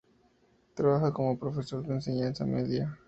Trabaja como profesor de Enseñanza Media.